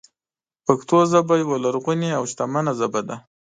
پښتو ژبه یوه لرغونې او شتمنه ژبه ده.